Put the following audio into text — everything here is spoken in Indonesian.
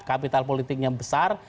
kapital politiknya besar